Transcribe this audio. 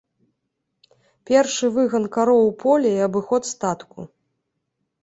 Першы выган кароў у поле і абыход статку.